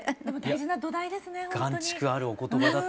でも大事な土台ですねほんとに。